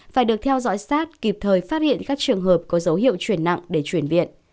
phải được theo dõi sát kịp thời phát hiện các trường hợp có dấu hiệu chuyển nặng để chuyển viện